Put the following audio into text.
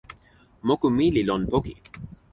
moku mi li lon poki.